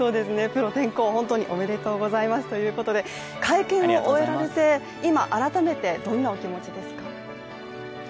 プロ転向、本当におめでとうございますということで、会見を終えられて今、改めてどんなお気持ちですか。